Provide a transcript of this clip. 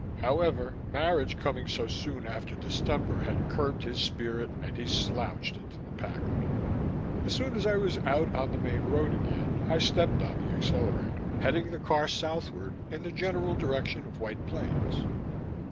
However, marriage coming so soon after distemper had curbed his spirit and he slouched into the Packard. As soon as I was out on the main road again, I stepped on the accelerator, heading the car southward in the general direction of White Plains.